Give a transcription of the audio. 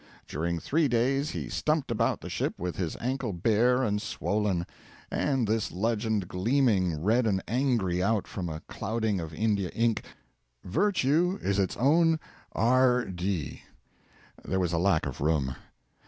During three days he stumped about the ship with his ankle bare and swollen, and this legend gleaming red and angry out from a clouding of India ink: 'Virtue is its own R'd.' (There was a lack of room.)